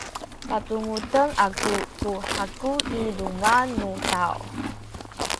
pacumuden aku ku haku i luma’ nu taw.